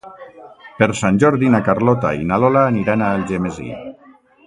Per Sant Jordi na Carlota i na Lola aniran a Algemesí.